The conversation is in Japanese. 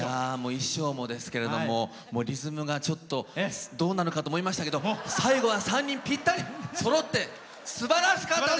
衣装もですけどもリズムがちょっとどうなのかと思いましたけど最後は、３人、ぴったりそろってすばらしかったです！